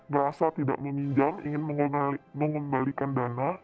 merasa tidak meminjam ingin mengembalikan dana